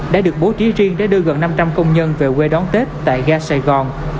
đã được bố trí riêng để đưa gần năm trăm linh công nhân về quê đón tết tại ga sài gòn